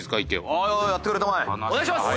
お願いします！